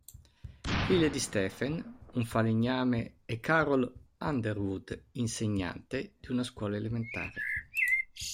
Figlia di Stephen, un falegname e Carole Underwood, insegnante di una scuola elementare.